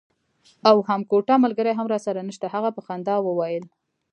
او هم کوټه ملګری هم راسره نشته. هغه په خندا وویل.